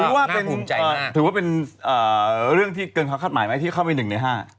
หน้าภูมิใจมากนี่ค่ะถือว่าเป็นเรื่องที่เกินความคาดหมายมั้ยที่เข้าไป๑ใน๕